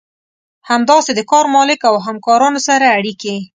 همداسې د کار مالک او همکارانو سره اړيکې.